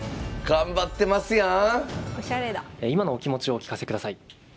今のお気持ちをお聞かせください。